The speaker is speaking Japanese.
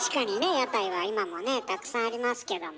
屋台は今もねたくさんありますけども。